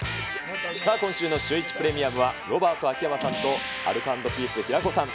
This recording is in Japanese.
さあ、今週のシューイチプレミアム、ロバート秋山さんと、アルコ＆ピース・平子さん。